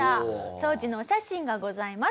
当時のお写真がございます。